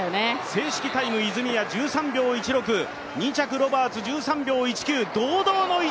正式タイム泉谷、１３秒１６、２着ロバーツ、１３秒１９。